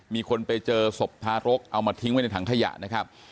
มีคนไปเจอศพทารกเอามาทิ้งไว้ในถังขยะนะครับ